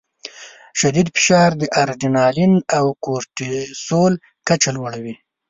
شدید فشار د اډرینالین او کورټیسول کچه لوړوي.